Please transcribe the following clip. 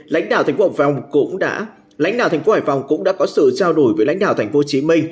lãnh đạo tp hcm cũng đã có sự trao đổi với lãnh đạo tp hcm